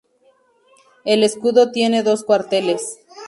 El escudo tiene dos cuarteles.